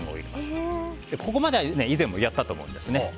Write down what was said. ここまでは以前もやったと思うんですね。